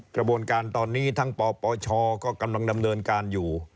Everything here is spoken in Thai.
กระบวนการตอนนี้ทั้งปปชก็กำลังดำเนินการอยู่